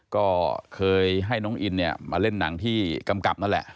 ก็เคยให้น้องอินเนี่ยมาเล่นหนังที่กำกับนั่นแหละ